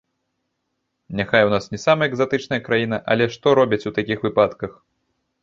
Няхай у нас не самая экзатычная краіна, але што робяць у такіх выпадках?